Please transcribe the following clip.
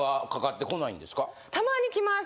たまにきます。